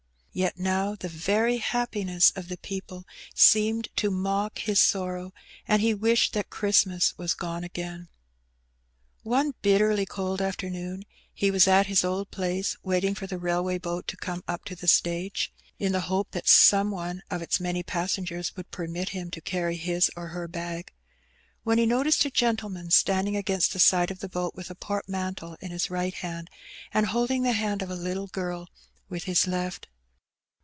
Yet now the very happiness of the people seemed to mock his sorrow^ and he wished that Christmas was gone again. One bitterly cold afternoon he was at his old place^ waiting for the railway boat to come up to the stage, in the 134 Heb Benny. hope that some one of its many passengers would permit him to cany his or her bag^ when he noticed a gentleman standing against the side of the boat with a portmanteau in his right hand^ and holding the hand of a little girl with his left.